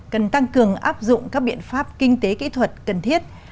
cần tăng cường áp dụng các biện pháp kinh tế kỹ thuật cần thiết